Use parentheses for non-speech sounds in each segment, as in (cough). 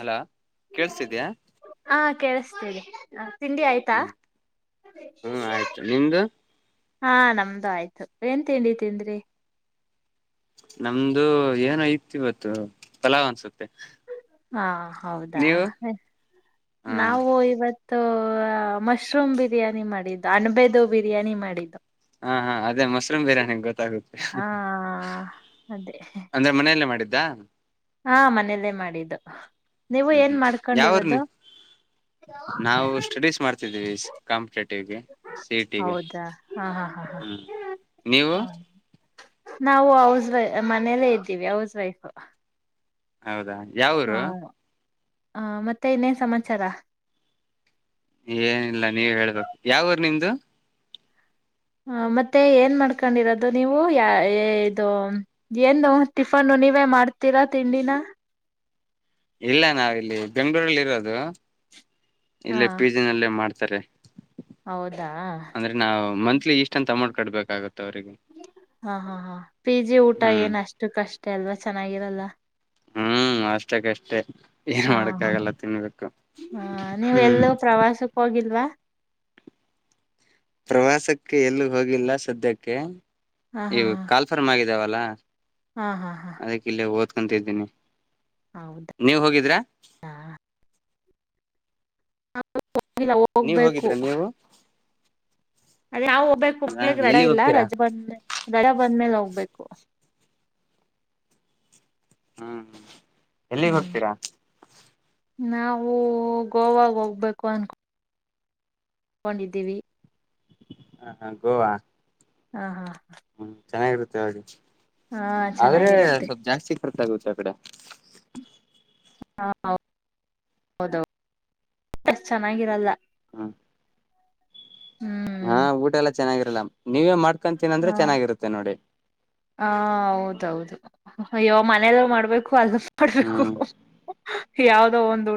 ಅಲ ಕೇೇಳಸತಿದ್ಯಾ ಸ ತಿಂಡಿ ಆಯ್ತಾ ಹ್ಮ್ ಆಯ್ತು ನಿಮ್ದು ಹಾ ನಮ್ದು ಆಯ್ತು ಏನ್ ತಿಂಡಿ ತಿನ್್ರಿ ನಮ್ದು ಏನ ಇತ್ ಇವತ್ತು ಫಲಾವ್ ಅನ್ಸುತ್ತೆ ಹಾ ಹೌದಾ ನೀವು ಹ ನಾವು ಇವತ್ತು ಮಶ್ರೂಮ್ ಬಿರಿಯಾನಿ ಮಾಡಿದ್ದು ಅಣಬೆದು ಬಿರಿಯಾನಿ ಮಾಡಿದ್ದು ಹಾ ಹಾ ಅದೇ ಮಶ್ರೂಮ್ ಬಿರಿಯಾನಿ ಗೊತ್ತಾಗುತ್ತೆ ಅದೇ ಅಂದ್ರೆ ಮನೆಯಲ್ಲೇ ಮಾಡಿದ್ದ ಹಾ ಮನೇಲ್ಲೇ ಮಾಡಿದ್ದು ನೀವು ಹ್ಮ್ ಏನ್ ಹ್ಮ್ ಯಾವೂರ್ ನೀ ಮಾಡ್ಕೊಂಡಿರೋದು ನಾವು ಸ್ಟಡೀಸ್ ಮಾಡ್ತಿದ್ದೀವಿ ಕಾಂಪಿಟೇಟಿವ್ಗೆ ಸಿ ಟಿಗೆ ಹೌದಾ ಹಾ ಹಾ ಹಾ ಹಾ್ಮ ಹ್ಮ್ ನೀವು ನಾವು ಹೌಸ್ ವೈ ಮನೇಲ್ಲೇ ಇದ್ದೀವಿ ಹೌಸ್ ವೈಫ್ ಹೌದಾ ಯಾವರು ಹ ಮತ್ತೆ ಇನ್ನೇ ಸಮಾಚಾರ ಏನಿಲ್ಲ ನೀವ ಹೇಳ್ಬೇಕು ಯಾವಊರ್ ನಿಮ್ದು ಹ ಮತ್ತೆ ಏನ್ ಮಾಡ್ಕೊಂಡಿರೋದು ನೀವು ಯ ಇದು ಏನು ಟಿಫನ್ ನೀವೇ ಮಾಡ್ತೀರಾ ತಿಂಡಿನ ಇಲ್ಲ ನಾವಿಲ್ಲಿ ಬೆಂ್ಗಳೂರಲ್ಲಿ ಇರೋದು ಹಾ ಇಲ್ಲ ಪಿ ಜಿನಲ್ಲ ಮಾಡ್ತವಿ ಸರಿ ಹೌದಾ ಇ ಇಷ್ಟ ಅಂತ ಮಾಡ್ ಕಟ್ಬೇಕಾಗುತ್ತೆ ಅವ್ರಿಗೆ ಹಾ ಹಾ ಹಾ ಪಿ ಜಿ ಊಟ ಹ್ಮ್ ಏನ್ ಅಷ್ಟು ಕಷ್ಟ ಅಲ್ವಾ ಚೆನ್ನಾಗಿರಲ್ಲ (inaudible) ಹ್ಮ್ ಅಷ್ಟಕ್ಕಷ್ಟೇ ಏನ್ ಹಾ ಮಾಡಕ್ಕ ಹಾ ಆಗಲ್ಲ ತಿನ್ಬೇಕು ಹಾ ನೀವು ಹ್ಮ್ ಎಲ್ಲೂ ಪ್ರವಾಸಕ್ಕೆ ಹೋಗಿಲ್ವಾ ಪ್ರವಾಸಕ್ಕೆ ಎಲ್ಲಿ ಹೋಗಿಲ್ಲ ಸದ್ಯಕ್ಕೆ ಹಾ ಹಾ ಇವು ಕಾಲ್ಫರ್ಮ್ ಆಗ ಾವಲ್ಲಾ ಹಾ ಹಾ ಹಾ ಅಂತ್ದೀನಿ ಹೌದಾ ನೀವ ಹೋಗಿದ್ರಾ ಹೋಗಿಲ್ಲ ನೀವ್ ಹೋಗ್ಬೇಕು ಹೋಗಿದ್ರಾ ನೀವು ಅದ ಯಾವ್ ಹೋಗ್ಬೇಕು ಹೌದಾ ಮುಕ್ಲಿಕ್ ಗಡ ಎಲ್ಲಿಗ್ ಇಲ್ಲ ಹೋಗ್ತೀರಾ ರಜೆ ಬಂದ್್ಮ ರಡ ಬಂದ್ಮೇಲೆ ಹೋಗ್ಬೇಕು ಹ್ಮ್ ಎಲ್ಲಿಗೆ ಹ್ಮ್ ಹೋಗತೀರಾ ನಾವು ಗೋವಾಗ ಹೋಗ್ಬೇಕು ಅನ್ಕೊ ಹಕೊಂಡಿದ್ದೀವಿ ಹಾ ಹಾ ಗೋವಾ ಹಾ ಹಾ ಹಾ ಹ್ಮ್ ಚೆನ್ನಾಗಿರುತ್ತೆ ಅವೆ ಆದ್ರೆ ಚೆನ್ನಾಗಿರುತ್ತೆ ಸ್ವಲ್ಪ ಜಾಸ್ತಿ ಕರ್ತ ಆಾಗುತ್ತೆ ಆ ಕಡೆ ಹ ಹೌದದು ಚೆನ್ನಾಗಿರಲ್ಲ ಹಾ ಹಾ ಹ್ಮ್ ಊಟ ಎಲ್ಲಾ ಚೆನ್ನಾಗಿರಲ್ಲ ನೀವೇ ಮಾಡ್ಕೊತೀನ ಅಂದ್ರೆ ಚೆನ್ನಾಗಿರುತ್ತೆ ನೋಡಿ ಹ ಹೌದೌದು ಅಯ್ಯೋ ಮನೆಯಲ್ಲ ಮಾಡ್ಬೇಕು ಕ್ಲ್ ಮಾಡಬೇಕು ಯಾವದೋ ಒಂದು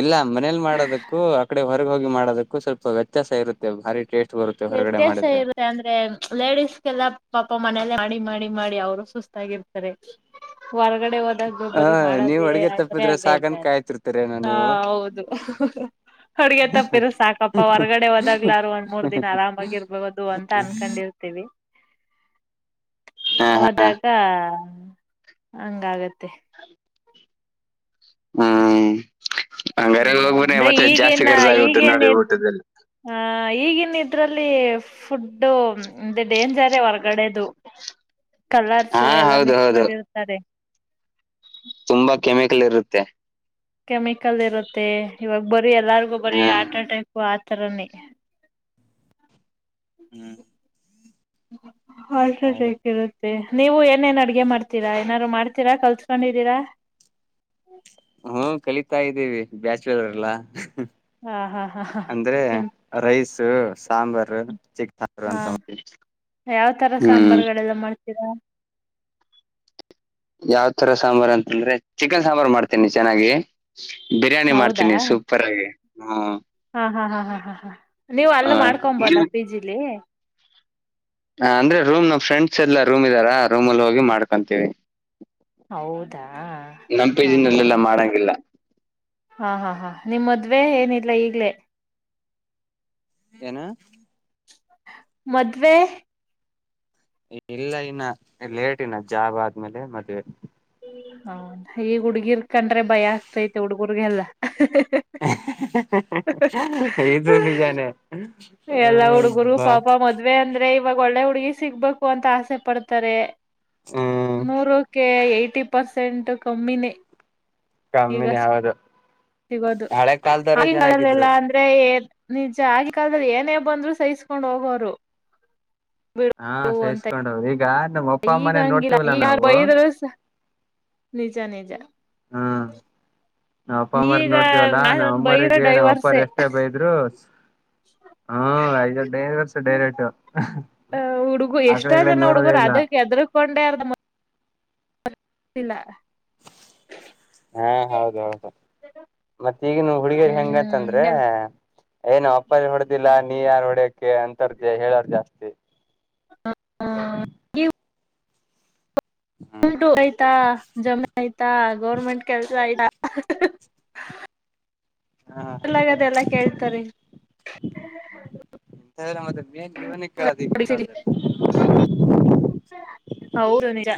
ಇಲ್ಲ ಮನೇಲಿ ಮಾಡೋದಕ್ಕೂ ಆಕಡೆ ಹೊ ಹೋಗಿ ಮಾಡೋದಕ್ಕೂ ಸ್ವಲ್ಪ ವ್ಯತ್ಯಾಸ ಇರುತ್ತೆ ಭಾರಿ ಟೇಸ್ಟ್ ಬರುತ್ತೆ ಹೊರಗಡೆ ವ್ಯತ್ಯಾಸ ಮಾಡಿದ್ರೆ ಇರುದೆ ಅಂದ್ರೆ ಲೇಡಿಸಸ್ಗೆಲ್ಲ ಪ ಮನಲ್ಲ ಮಾಡಿ ಮಾಡಿ ಮಾಡಿ ಅವರು ಸುಸ್ತಾಗಿರ್ತಾರೆ ವರ ಕಡೆ ಹೋದಾಗರು ಹ ಬರಿ ನೀವ್ ಮಾಡೋದೇ ಅಡ್ಗೆ ಅಂದ್ರೆ ತಪ್ಪಿದ್ರೆ ಸಾಕನ್ ಬೇಜಾರ ಕಾಯ್ತಿರ್ತೀರೇನೋ ಹ ನೀವು ಹೌದು ಹಡ್ಗ ತಪ್ಪಿರು ಸಾಕಪ್ಪ ಹೊರ್ಗಡೆೋದಾಗ್ಲು ಒಂದ್ ಮೂರ್ ದನ್ ಆರಾಮಾಗಿ ಇರ್ಬುದು ಅಂತ ಅನ್ಕೊಂಡಿರ್ತೀವಿ ಹಾ ಹಾ ಹೋದಾಗ ಹಂಗಾಗತ್ತೆ ಹ ಹ್ಮ್ ಹಂಗಾರೆ ಹೋಗ್ಬನ್ನಿ ಅಂದ್ರೆ ಮತ್ತೆ ಜಾಸ್ತಿ ಈಗೇನ್ ಖರ್ಚಾಗುತ್ತೆ ಈಗೇನ ನೋಡಿ ಊಟದಲ್ಲಿ ಈಗ ಇನ್ ಇದ್ರಲ್ಲಿ ಫುಡ್ಡು ಮುೆ ಡೇಂಜರ್ ಹೊರ್ಗಡೆದು ಹಾ ಕಲರ್ಸ ಎಲ್ಲಾ ಹೌದು ಮಿಕ್ಸ್ ಹೌದು ಮಾಡಿರ್ತ್ತಾರೆ ತುಂಬಾ ಕೆಮಿಕಲ್ ಇರುತ್ತೆ ಕೆಮಿಕಲ್ ಇರುತ್ತೆ ಇವಾಗ ಬರೀ ಎಲ್ಲರಿಗು ಬರೀ ಹಾ ಆಾರ್ಟ್ ಅಟ್ಯಾಕ್ ರನೆ ಹ್ಮ್ ಹ ಸ ಹೌದ ಜಿರುತ್ತೆ ನೀವು ಏನೇನ್ ಅಡ್ಗೆ ಮಾಡ್ತೀರಾ ಏನಾರು ಮಾಡ್ತೀರಾ ಕಲ್ಸ್ಕೊಂಡಿದ್ದೀರಾ ಹ್ಮ ಕಲಿತಾ ಇದ್ದೀವಿ ಬ್ಯಾಚುವರ್ ಎಲ್ಲಾ ಹಾ ಹಾ ಹಾ ಹಾ ಅಂದ್ರೆ ಹ್ಮ ರೈಸ ಹಾ ಯಾವ್ ತರ ಹ್ಮ್ ಸಾಂಬಾರ್ುಗಳೆಲ್ಲ ಮಾಡ್ತ ದ ಯಾವ ತರ ಸಾಂಬಾರ್ು ಅಂತಂದ್ರೆ ಚಿಕನ್ ಸಾಂಬಾರ್ು ಮಾಡ್ತೇನಿ ಚೆನ್ನಾಗಿ ಬಿರಿಯಾನಿ ಹೌದಾ ಮಾಡ್ತೀನಿ ಸೂಪರ್ ಆಗಿ ಹ ಹಾ ಹಾ ಹಾ ಹಾ ಹಾ ಹಾ ನೀವು್ ಆ, ಅಲ್ಲ ಮಾಡ್ಕೊಬೋದ ಪಿಜಿಲಿ ಹ ಅಂದ್ರೆ ರೂಮ್ ನಮ್ ಫ್ರೆಂಡ್ಸ್ ಎಲ್ಲಾ ರೂಮ್ ಇದ್ದಾರಾ ರೂಮ್ಲ್ಲಿ ಹೋಗಿ ಮಾಡ್ಕೊಂತೀವಿ ಹೌದಾ ಹಾ ಹಾ ನಂಪಿಜಿನಲ್ಲೆಲ್ಲಾ ಮಾಡಂಗಿಲ್ಲ ಹಾ ಹಾ ಹಾ ನಿಮ್ಮ್ ಮದ್ವೆ ಏನಿಲ್ಲ ಈಗ್ಲೇ ಏನ ಮದುವವೆ ಇಲ್ಲ ಇನ್ನ ಲೇಟ್ ಇನ್ನ ಜಾಬ್ ಆದ್ಮೇಲೆ ಮದ್ವೆ ಹ ಈಗ ಹುಡ್ಗಿರ್ ಕಂಡ್ರೆ ಭಯ ಆಗ್ತೈತೆ ಹುಡ್ಗರ್ಗೆಲ್ಲ ದು ನಿಜಾನೆ ಹ್ ಬಾಯ್ ಇಾಗ ಒಳ್ಳೆ ಹುಡುಗಿ ಸಿಗ್ಬೇಕು ಅಂತ ಆಸೆ ಪಡ್ತಾರೆ ಹ್ಮ್ ನೂರಕ್ಕೆ ್ಟಿ ಪರ್ಸೆಂಟ್ ಕಮ್ಮಿನೇ ಕಮ್ಮಿನಿ ಹೌದು ಹಳೆ ಕಾಲದವ್ರೆ ಸಿಗೋದುಲ್ಲ ಚೆನ್ನಾಗಿದ್ರು ಅಂದ್ರೆ ನಿಜ ಆಗಿ ಕಾಲದಲ್ಲಿ ಏನೇ ಬಂದ್ರು ಸಹಿಸ್ಕೊಂಡ್ ಹೋಗೋರು ಹಾ ಬಿಡು ಅಂತ ಸಹಿಸ್ಕೊಂಡ್ ಈಗ ನಮ್ಮ್ ಅಪ್ಪ ಅಮ್ಮನ ನೋಡ್ತಿವಲ್ಲ ನಾವು ನಿಜಾ ನಿಜಾ ಹ್ಮ್ ನಾವ್ ಅಪ್ಪ ಅಮ್ಮರ ನೋಡ್ತೀವಲ್ಲಾ ನಾವ್ ಬೈರ ಅಮ್ಮರಿಗೆ ನಾವ್ ಅಪ್ಪಾರ ಡೈವರ್ಸೆ ಎಷ್ಟೇ ಬೈದ್ರು ಹಾ ಯದ ಡೇರೆ ವರ್ಷ ಡೇರೆ ಆಟು ಅ ಹುಡುಗು ಎಷ್ಟ ಜನ ಹುಡುಗರು ಅದಕ್ಕೆ ಎದ್ರಕೊಂಡೆ ಅಾರ ಇಲ ಹಾ ಹೌದ ಹೌದು ಮತ್ತ ಈಗನು ಹುಡುಗಿಯರಿ ಹೆಂಗಂತಂದ್ರೆ ಹ್ಮ್ ಏನು ಅಪ್ಪಲ್ಲಿ ಹೊಡೆ್ದಿಲ್ಲ ನೀ ಯಾರು ಹೊಡ್ಯಕ್ಕೆೆ ಅಂತಾರ್ದ ಹೇಳೋಾರ ಜಾಸ್ತಿ ಹ ಹ ಹ್ಮ್ ಉಂಟು ಆಯ್ತಾ ಜಮ ಆಯ್ತಾ ಗೌರ್ಮೆಂಟ್ ಕೆಲ್ಸ ಆಯ್ತಾ (unintelligible) ಹಾ ಚಲಾಗದೆ ಎಲ್ಲ ಕೇಳ್ತರಿ ಇಂತ ಎಲ್ಲ ಮತ್ತೆ ಮೇನ್ ಇವನೇ ಕೇಳದು ಈಗಿನ ಕಾಲದಲ್ಲಿ ಹೌದು ನಿಜ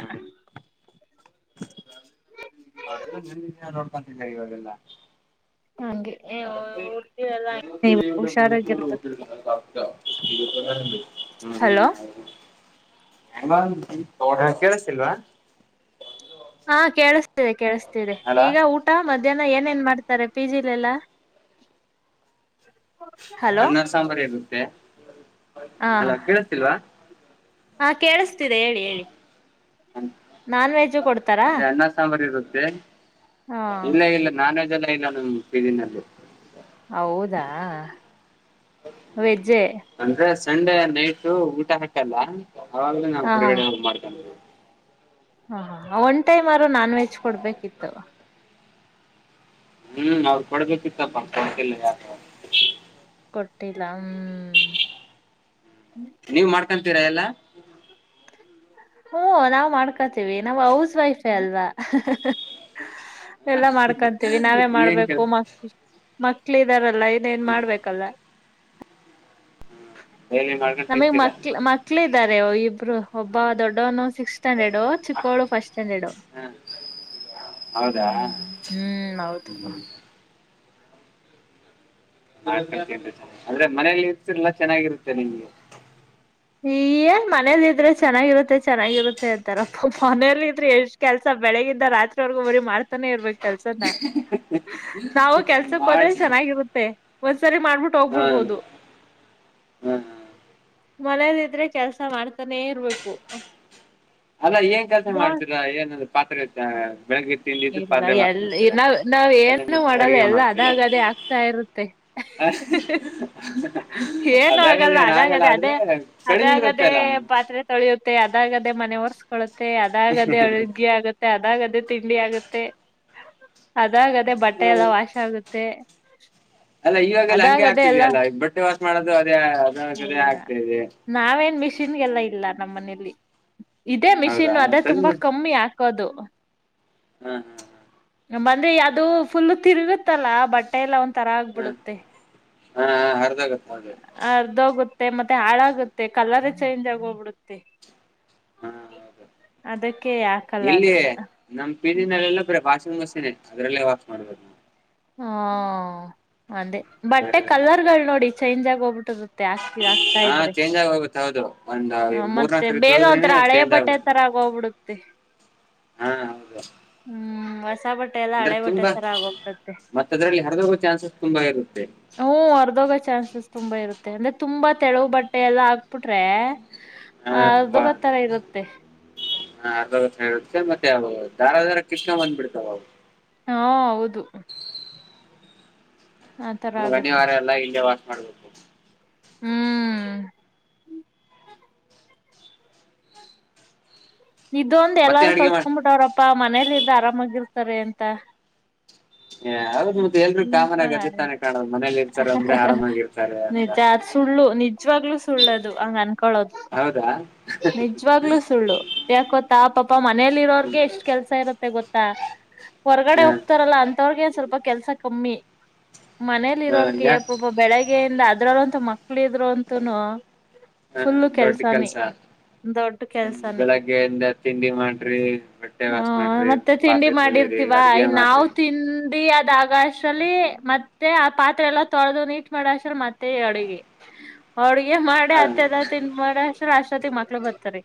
ಅವರೆಲ್ಲ ನಿ ನೋಡ್ಕೊಂತ ಇವಾಗೆಲ್ಲ ಹಂಗೆ ಹುಡ್ಗಿರೆಲ್ಲ ಮಲವ ಮ್ಯಸಿಯ ಹುಷಾರಾಗಿರ್ಬೇಕು ಕಟ್ಟಿ ಕ ಹ್ಮ್ ಹಲೋ ಹ್ಮ ಹೆಂಗ ತೋಡ ಹಕಸಲ್ವಾ ಹಾ ಕೇಳಿಸ್ತಿದೆ ಕೇಳಿಸತಿದೆ ಈಗ ಊಟ ಮ ಜನ ಏನೇನ್ ಮಾಡ್ತಾರೆ ಪಿ ಜಿಲೆಲ್ಲ ಹನ್ನರ್ ಸಾಂಬಾರು ಇರುತ್ತೆ ಹ ಹಲ ಕೇಳತಿಲ್ವಾ ಹಾ ಕೇಳಿಸತೀರ ಹೇಳಿ ಹೇಳಿ ನಾನ್ ವೆಜ್ಜು ಕೊಡ್ತಾರಾ ಅದೇ ಅನ್ನ ಸಾಂಬಾರ್ ಇರುತ್ತೆ ಹಾ ಇಲ್ಲ ಇಲ್ಲ ನಾನ್ವೆೇಜ್ ಎಲ್ಲ ಇಲ್ಲಾನ ಈ ದಿನಲ್ಲಿ ಅಾ ವೆಜೆ ಅಂದ್ರೆ ಸಂಡೆ ನೈಟ್ ಊಟ ಹಾಕಲ್ಲ ಅವಾಗ್ಲ ನಾವು ಹೊರಗಡೆ ಮಾಡ್ಕೊಂಡವಿ ಹ ಒನ್ ಟೈಮ್ ಅವರು ನಾನ್ ವೆಜ್ ಕೊಡ್ಬೇಕಿತ್ತು ಹ್ಮ್ ಅವ್ರು ಕೊಡ್ಬೇಕಿತ್ತಪ್ಪ ಕೊಡ್ತಿಲ್ಲ ಯತ ಕೊಟ್ಟಿಲ್ಲಾ್ಮ ನೀವ್ ಮಾಡ್ಕೊತೀರಾ ಎಲ್ಲ ಹಓ ನಾ್ ಮಾಡ್ಕೊತೀವಿ ನಮ್ಮ್ ಹೌಸ್ ವೈಫೇ ಅಲ್ವಾ ಎಲ್ಲಾ ಮಾಡ್ಕೊಂತೀವಿ ನಾವೇ ಏನ್ ಮಾಡ್ಬೇಕು ಕೆಲ್ಸ ಮ ಮಕ್ಳ ಇದಾರಲ್ಲ ಇನ್ೇನ್ ಮಾಡ್ಬೇಕಲ್ಲ ಡೈಲಿ ಮಾಡ್ಕೊಂಡು ನಮಗ್ ತಿಂತೀರಾ ಮಕ್ ಮಕ್ಳ ಇದ್ದಾರೆ ಇಬ್ರು ಒಬ್ಬ ದೊಡ್ಡವನ ಸಿಕ್ಸ್ ಸ್ಟಾಂಡರ್ಡು ಚಿಕ್ಕೋಳ ಫಸ್ಟ್ ಸ್ಟ್ಯಾಂಡರ್ಡ್ ಹ ಹೌದಾ ಹ್ಮ ಹ್ಮ್ ಹೌದು ಅಂದ್ರೆ ಮನೇಲಿ ಇಸಲ್ಲಾ ಚೆನ್ನಾಗಿರುತ್ತೆ ನಿಮ್ಗೆ ಹಯೇ ಮನೇಲಿ ಇದ್ರೆ ಚೆನ್ನಾಗಿರುತ್ತೆ ಚೆನ್ನಾಗಿರುತ್ತೆ ಅಂತಾರಪ್ಪ ಮನೇಲಿ ಇದ್ರೆ ಎಷ್ಟ್ ಕೆಲ್ಸ ಬೇಕ ಬೆಳಿಗಿಂದ ರಾತ್ರಿವರ್ಗೂ ಮರಿೀ ಮಾಡ್ತಾನೆ ಇರ್ಬೇಕಕ್ ಕೆಲ್ಸನ ನಾವು ಕೆಲ್ಸಕ್ ಹೋದ್ರೆ ಮಾಡ್ ಚೆನ್ನಾಗಿರುತ್ತೆ ಸರಿ ಮಾಡ್ಬಿಟ್ಟು ಹಾ ಹೋಗ್ಬಿಡ್ಬೋದು ಹಾ ಮನೇದಿದ್ರೆ ಕೆಲ್ಸ ಮಾಡ್ತಾನೆ ಇರ್ಬೇಕು ಅಲ್ಲ ಏನ್ ಕೆಲ್ಸ ಬಾ ಮಾಡ್ತೀರಾ ಏನಂದ ಪಾತ್ರೆ ಆಯತ ಇಲ್ಲ ಎ ನಾವ್ ನಾವ್ ಅದನ್ನ ಏನು ಬಿಟ್ಟು ಮಾಡಲ್ಲ ಅಡಿಗೆ ಎಲ್ಲ ಮಾಡ್ತೀರಾ ಅದಾಗ ಅದೇ ಆಗ್ತಾ ಇರುತ್ತೆ ಏನು ಆಗಲ್ಲ ಅದಾಗದೇನ್ ಅದಾಗದೆ ಆದ್ರೆ ಅದೇ ಕಡಿಮೆ ಅದಾಗದೇ ಇರುತ್ತಲ್ಲ ಹ್ಮ್. ಪಾತ್ರೆ ತೊಳಿಯುತ್ತೆ ಅದಾಗದೇ ಮನೆ ಒರ್ಸ್ಕೊಳ್ಳುತ್ತೆ ಅದಾಗದೇ ಅಳಗೆಿ ಆಗುತ್ತೆ ಅದಾಗದೇ ತಿ ತಿ ಆಗುತ್ತೆ ಅದಾಗ ಅದೇ ಬಟ್ಟೆ ಎಲ್ಲ ವಾಶ ಆಗುತ್ತೆ ಅಲ್ಲ ಇವಾಗೆಲ್ಲ ಹಂಗೆ ಅದಾಗದೆ ಎಲ್ಲ ಆಗ್ತಿದೆಯ ಅಲ್ಲ ಬಟ್ಟೆ ವಾಸ ಮಾಡೋದು ಅದೇ ಅದದೇ ಆಗ್ತಾದೆ ನಾವೇನ್ ಮಿಷಿನ್ಗೆಲ್ಲ ಇಲ್ಲ ನಮ್ಮನಲಿ ಇದೇ ಹೌದಾ ಮಿಷಿನ್ ಅದೇ ತುಂಬಾ ಕಮ್ಮಿ ಆ ಕದು ಹ್ಮ್ ಹ ಬಂದ್ರೆ ಅದು ಫುಲ್ ತಿರುಗುತ್ತಲ್ಲಾ ಬಟ್ಟೆ ಎಲ್ಲಾ ಒ ತರ ಹಾ ಆಗ್ಬಿಡುತ್ತೆ ಹಾ ಹಾ ಅರ್ಧೋಗತ್ತೆ ಹೌದು ಹೋಗುತ್ತೆ ಮತ್ತೆ ಹಾಳಾಗುತ್ತೆ ಕಲರ ಚೇಂಜ್ ಆಗೋಗ್ಬಿಡುತ್ತೆ ಹಾ ಹೌದು ಅದಕ್ಕೆ ಯಾಕಲ್ಲ ಇಲ್ಲಿಯ ಅದನ್ನ ನಮ್ ಪದಿನಲ್ಲಲ್ಲ ಬ್ರೆ ಭಾಷ ಸೆನೆ ಅದ್ರಲ್ಲೇ ವಾಕ್ ಮಾಡ್ಬೋದು ನೀವು ಹಾ ಅದೇ ಬಟ್ಟೆ ಬೇರೆದೆಲ್ಲ ಇಲ್ಲ. ಕಲರ್ಗಳು ನೋಡಿ ಚೇಂಜ್ ಆಗಿ ಹೋಗ್ಬಿಟ್ಟಿರುತ್ತೆ ಆಕಿ ಹಾಕ್ತಾ ಹಾ ಇದ್ರೆ ಚೇಂಜ್ ಆಗಿ ಹೋಗುತ್ತೆ ಹೌದು ಒಂದ್ ಹ ಮೂರ್ನಾಲ್ಕು ಮತ್ತೆ ಸರಿ ಬೇಗ ತೊಳದ್ರೆನೆ ಒಂಥರ ಹಳೆಯ ಚೇಂಜ್ ಬಟ್ಟೆ ತರ ಆಗೋಗ್ಬಿಡುತ್ತೆ ಆಗೋಗ್ಬಿಡುತ್ತೆ ಹಾ ಹೌದಾ ಹ್ಮ್ ಬಸ್ ಹೊಸ ಬಟ್ಟೆ ಎಲ್ಲ ಹಳೆ ಬಟ್ಟೆ ತುಂಬಾ ತರ ಆಗೋಗ್ತೆ ಮತ್ತ ಅದ್ರಲ್ಲಿ ಹರಿದೋಗೋ ಚಾನ್ಸಸ್ ತುಂಬಾ ಇರುತ್ತೆ ಹ್ಮ ಅರ್ದೋಗೋ ಚಾನ್ಸಸ್ ತುಂಬಾ ಇರುತ್ತೆ ಅಂದ್ರೆ ತುಂಬಾ ತೆಳವು ಬಟ್ಟೆ ಎಲ್ಲಾ ಹಾಕ್ಬಿಟ್ರೆ ಹಾ ಆ ದೊಗ ತರ ಇರುತ್ತೆ ಹಾ ಅರ್ತ್ತೆ ಮತ್ತೆ ಅವು ಾರಾ ಾರ ಕಿತ್ಕೊ ಬಂದ್ಬಿಡ್ತಾವ ಅವು ಹಾ ಹೌದು ಆತರ ನಮ್ ಆಗುತ್ತೆ ಗನಿವಾರ ಎಲ್ಲಾ ಇಲ್ಲೇ ವಾಾಸ ಮಾಡ್ಬೇಕ ಹ್ಮ್ ಇದ ಒಂದ ಮತ್ತೆ ಎಲ್ಲಾರು ಅಡ್ಗೆ ಮಾಡ ಕಲ್ತ್ಕೊಂಡ್ ಬಿಿಟ್ಟವ್ರಪ್ಪಾ ಮನೇಲಿ ಇದ್ದ ಆರಾಮಾಗಿರ್ತಾರೆ ಅಂತ ಹೌದು ಮತ್ತೆ ಎಲ್ರೂ ಕಾಮನ್ ಆಗಿ ಅದೇ ತಾನೇ ಕಾಣೋದು ಮನೇಲಿ ಇರ್ತಾರೆ ಅಂದ್ರೆ ಆರಾಮಾಗಿರ್ತಾರೆ ನೀ ಅಂತ ಚಾತ್ ಸುಡಲು ನೀ. ಹೆಚ್ಚವಾಗ್ಲೂ ಸುಳ್ಳೋದು ಹಂಗ ಅನ್ಕೊಳ್ಳೋದು. ಹೌದಾ ನಿಜ್ವಾಗ್ಲುೂ ಸುಳ್ಳು ಯಾಕೊತ್ತಾ ಪಾಪ ಮನೇಲಿ ಹ್ಮ್ ಇರೋರ್ಗೆ ಎಷ್ಟ್ ಕೆಲ್ಸ ಇರತ್ತೆ ಗೊತ್ತ.. ಹೊರ್ಗಡೆ ಹ ಹೋಗ್ತಾರಲ್ಲ ಅಂತವ್ರಗನ್ ಸ್ವಲ್ಪ ಕೆಲ್ಸ ಕಮ್ಮಿ.. ಮನೇಲಿ ಹ ಇರೋರ್ಗೆ ಯಾ ಒಬ್ಬ ಬೆಳಗ್ಗೆಯಿಂದ ಅದ್ರಲ್ಂತ ಮಕ್ಳ ಇದ್ರು ಅಂತನು.. ಹಾ ದೊಡ್ಡ ಕೆಲ್ಸ.. ದೊಡ್ಡ ಹ್ಮ್ ಕೆಲ್ಸಾನೇ ಬೆಳಗ್ಗೆಯಿಂದ ತಿಂಡಿ ಮಾಡ್ರಿ ಬಟ್ಟೆ ಹ ವಾಾಸ ಮಾಡ್ರಿ ಮತ್ತೆ ತಿಂಡಿ ಬಾತ್ರೆ ಸಳಿ. ರೀ ಅಡ್ಗೆ ಮಾಡ್ರಿ.. ಗಷ್ಟ್ರಲ್ಲಿ ಮತ್ತೆ ಆ ಪಾತ್ರೆ ಎಲ್ಲ ತೊಳೆದು ನೀಟ್ ಮಾಡ ಅಶ್ರ ಮತ್ತೆ ಅಡುಗೆ.. ಹಡ್ಗೆ ಮಾಡಿ ಹ ಹತ್ತದ ತಿನ್ ಮಾಡಿ ಅಷ್ಟ್ರ ಅಶರತಿ ಮಕ್ಳು ಬರ್ತರಿ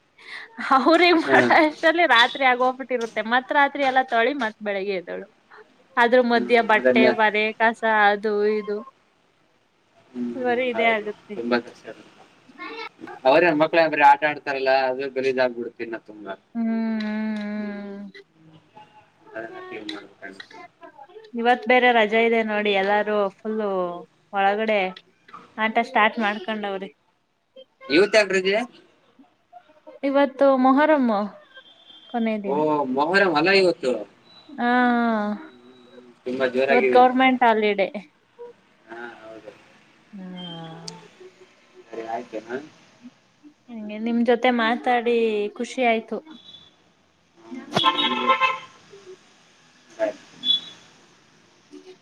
ಅವ್ರಗ ಹ್ಮ ಮಾಡ ಅಷ್ಟಲ್ಲಿ ರಾತ್ರಿ ಆಗೋ ಟ್ಟಿರುತ್ತೆ ಮತ್ತ ರಾತ್ರಿ ಎಲ್ಲ ತೊಳಿ ಮತ್ತ ಬೆಳಿಗ್ಗೆ ಎದ್ದಳು ಆದ್ರೂ ಹ್ಮ್ ಮದ ಬಟ್ಟೆ ಮೊದಲ್ನೇ ಬನೆ.. ಸ ಅದು ಇದು. ಹ್ಮ್ ಬರೀ ಇದೇ ಹೌದು ಆಗುತ್ತೆ ತುಂಬಾ ಸಷ್ಟ ಅವರೇ ಮಕ್ಳ ಬರ ಆಟ ಆಡ್ತ.. ಇಲ್ಲ ಅದು ಗರೀದಾಗಬಿಡ್ತೀ ನ ತುಂಬಾ.. ಹ್ಮ್ ಅದ ಮಾಡ ಕಂಡಿತ.. ಇವತ್ ಬೇರೆ ರಜೆ ಇದೆ ನೋಡಿ ಎಲ್ಲಾರೂ ಫುಲ್ಲು ಒಳಗಡೆ. ಆಟ ಸ್ಟಾರ್ಟ್ ಮಾಡ್ಕೊಂಡವ್ರಿ.. ಇವತ್ ಆಗ್ರಜ. ಇವತ್ತು ಮೊಹರಮ್ಮ.. ಮಹರ ಮಲ್ಲ ಈ ಹೊತ.. ಹಾ ತುಂಬಾ ಇವತ್ ಜೋರಾಗಿದೆಯಲ್ಲ ಗೌರ್ಮೆಂಟ್ ಹಾಲಿಡೆ.. ಹಾ ಹೌದು.. ಹ್ಮ ರಿಯ ಜನ. ಹಗೆ ನಿಮ್ ಜೊತೆ ಮಾತಾಡಿ ಖುಷಿ ಆಯ್ತು. ಹ್ಮ್, ನಾಮಾನಿ. ಹಯ. ಹ್ಮ.